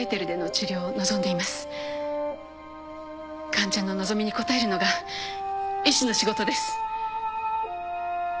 患者の望みに応えるのが医師の仕事です。